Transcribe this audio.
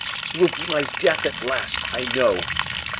He will be my death at last, I know.